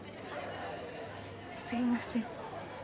すいません。